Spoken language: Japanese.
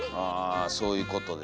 あそういうことですね。